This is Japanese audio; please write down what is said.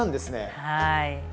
はい。